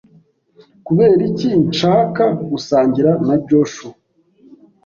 kuberiki nshaka gusangira na Joshua?